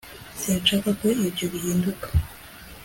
sinshaka ko ibyo bihinduka